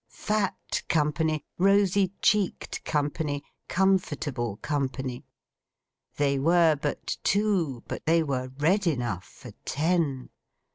Fat company, rosy cheeked company, comfortable company. They were but two, but they were red enough for ten.